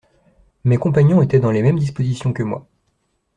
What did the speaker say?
Mes compagnons étaient dans les mêmes dispositions que moi.